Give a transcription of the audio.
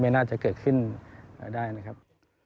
น่าจะเกิดขึ้นได้นะครับ